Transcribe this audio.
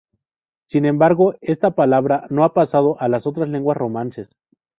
Sin embargo, esta palabra no ha pasado a las otras lenguas romances.